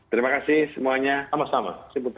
terima kasih semuanya sama sama